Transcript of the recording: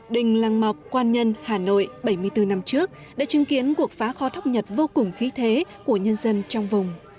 đình lăng mọc quan nhân hà nội bảy mươi bốn năm trước đã chứng kiến cuộc phá kho thóc nhật vô cùng khí thế của nhân dân trong vùng